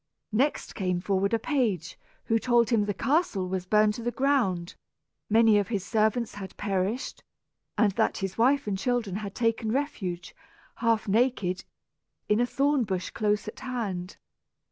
Next came forward a page, who told him the castle was burned to the ground, many of his servants had perished, and that his wife and children had taken refuge, half naked, in a thorn bush close at hand.